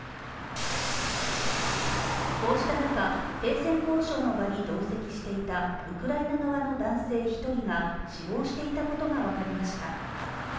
こうした中、停戦交渉の場に同席していたウクライナ側の男性１人が死亡していたことが分かりました。